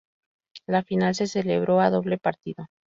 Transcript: La final se celebró a doble partido.